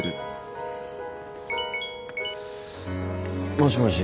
もしもし。